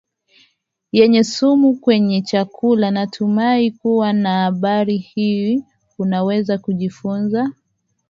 yenye sumu kwenye chakulaNatumai kuwa na habari hii unaweza kujifunza